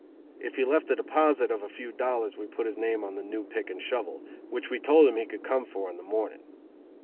If he left a deposit of a few dollars we put his name on the new pick and shovel, which we told him he could come for in the morning.